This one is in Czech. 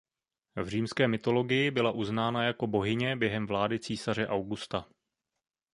V římské mytologii byla uznána jako bohyně během vlády císaře Augusta.